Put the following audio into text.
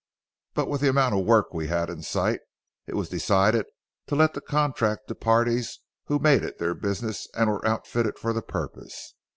But with the amount of work we had in sight, it was decided to let the contract to parties who made it their business and were outfitted for the purpose.